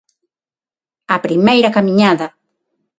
A primeira camiñada.